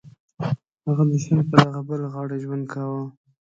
هغه د سیند پر هغه بله غاړه ژوند کاوه.